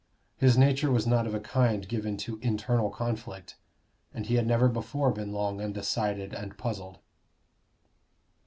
His nature was not of a kind given to internal conflict, and he had never before been long undecided and puzzled.